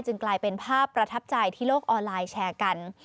กลายเป็นภาพประทับใจที่โลกออนไลน์แชร์กัน